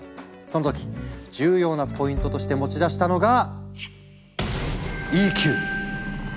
その時重要なポイントとして持ち出したのが「ＥＱ」！